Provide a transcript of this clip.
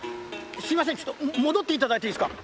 すいませんちょっともどっていただいていいですか。